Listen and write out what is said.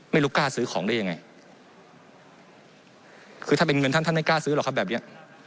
ไม่รู้กล้าซื้อของได้ยังไงคือถ้าเป็นเงินท่านท่านไม่กล้าซื้อหรอกครับแบบเนี้ย